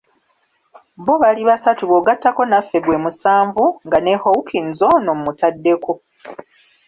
Bo bali basatu bw'ogattako naffe gwe musanvu nga ne Hawkins ono mmutaddeko.